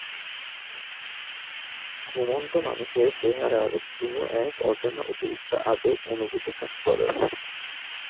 ঘুমন্ত মানুষের চেহারার কোন এক অজানা অতিরিক্ত আবেগ অনুভূতি কাজ করে।